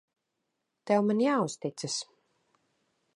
Tev man jāuzticas.